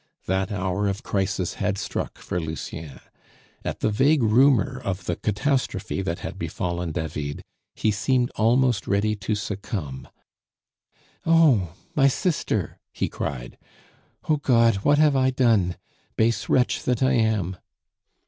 That hour of crisis had struck for Lucien; at the vague rumor of the catastrophe that had befallen David he seemed almost ready to succumb. "Oh! my sister!" he cried. "Oh, God! what have I done? Base wretch that I am!"